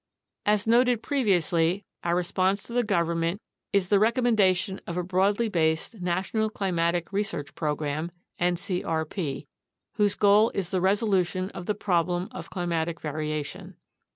As noted previously, our response to the Government is the recom mendation of a broadly based National Climatic Research Program (ncrp), whose goal is the resolution of the problem of climatic varia tion.